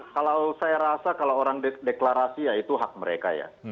kalau saya rasa kalau orang deklarasi ya itu hak mereka ya